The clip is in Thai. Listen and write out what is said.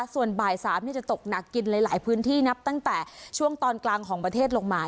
ส่วนบ่าย๓จะตกหนักกินหลายพื้นที่นับตั้งแต่ช่วงตอนกลางของประเทศลงมา